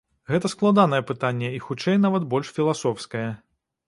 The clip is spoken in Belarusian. Гэта складанае пытанне і хутчэй нават больш філасофскае.